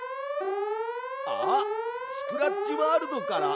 あっスクラッチワールドからＳＯＳだ！